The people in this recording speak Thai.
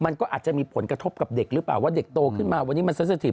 มันก็อาจจะมีผลกระทบกับเด็กหรือเปล่าว่าเด็กโตขึ้นมาวันนี้มันซะที